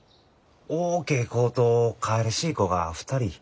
大けえ子とかいらしい子が２人。